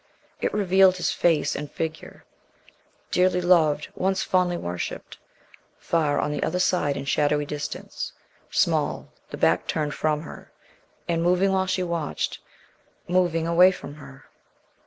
It revealed his face and figure, dearly loved, once fondly worshipped, far on the other side in shadowy distance, small, the back turned from her, and moving while she watched moving away from her.